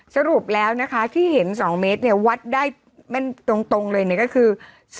สรุปแล้วนะคะที่เห็น๒เมตรวัดได้แม่นตรงเลยก็คือ